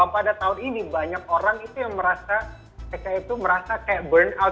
kalau pada tahun ini banyak orang itu yang merasa kayak itu merasa kayak burn out